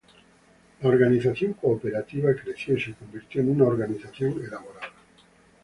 La organización cooperativa creció y se convirtió en una organización elaborada.